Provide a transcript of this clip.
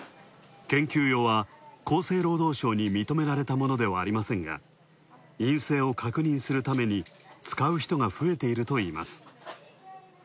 研究用は厚生労働省に認められたものではありませんが陰性を確認するために使う人が増えているといいます。